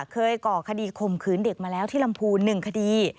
ก่อคดีข่มขืนเด็กมาแล้วที่ลำพูน๑คดี